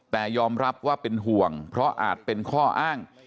แต่ยอมรับว่าเป็นห่วงเพราะอาจเป็นข้ออ้าง